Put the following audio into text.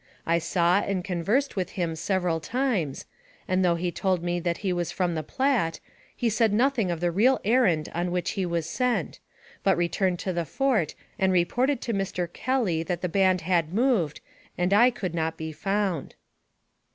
I saw and conversed with him several times, and though he told me that he was from the Platte, he said nothing of the real errand on which he was sent, but returned to the fort and reported to Mr. Kelly that the band had moved and I could not be found.